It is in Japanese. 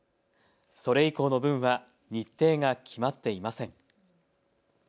それ以降の分は日程が決まっていません。